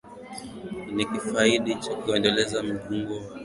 Ni kuhifadhi na kuuendeleza Mji Mkongwe na mpango wake mkuu